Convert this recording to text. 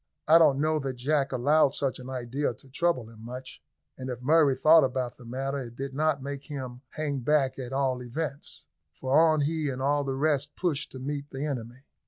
I do not know that Jack allowed such an idea to trouble him much, and if Murray thought about the matter it did not make him hang back at all events; for on he and all the rest pushed to meet the enemy.